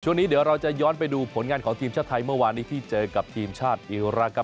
ช่วงนี้เดี๋ยวเราจะย้อนไปดูผลงานของทีมชาติไทยเมื่อวานนี้ที่เจอกับทีมชาติอิรักษ์ครับ